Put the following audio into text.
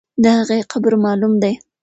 د هغې قبر معلوم دی.